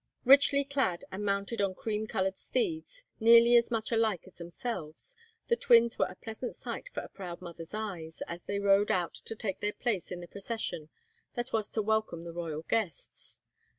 Richly clad, and mounted on cream coloured steeds, nearly as much alike as themselves, the twins were a pleasant sight for a proud mother's eyes, as they rode out to take their place in the procession that was to welcome the royal guests.